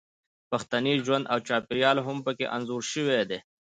پښتني ژوند او چاپیریال هم پکې انځور شوی دی